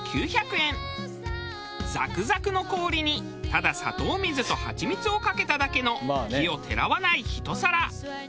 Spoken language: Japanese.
ザクザクの氷にただ砂糖水とハチミツをかけただけの奇をてらわないひと皿。